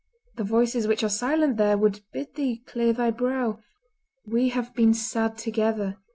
The voices which are silent there Would bid thee clear thy brow; We have been sad together.